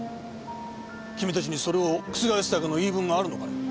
君たちにそれを覆すだけの言い分があるのかね？